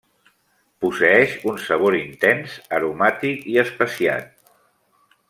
Posseeix un sabor intens, aromàtic i especiat.